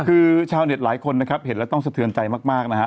คือชาวเน็ตหลายคนนะครับเห็นแล้วต้องสะเทือนใจมากนะฮะ